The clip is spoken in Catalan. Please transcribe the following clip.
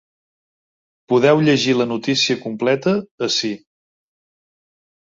Podeu llegir la notícia completa ací.